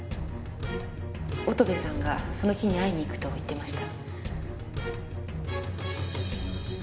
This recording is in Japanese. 乙部さんがその日に会いに行くと言っていました。